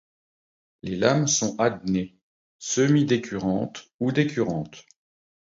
Les lames sont adnées, semi-décurrentes ou décurrentes.